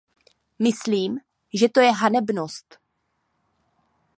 Myslím, že to je hanebnost.